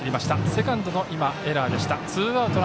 セカンドのエラーでした。